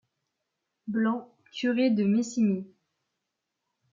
Blanc, curé de Messimy.